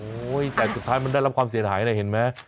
โอ้โหแต่สุดท้ายมันได้รับความเสียหายนะเห็นไหม